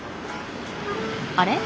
あれ？